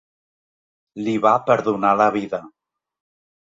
Li va perdonar la vida.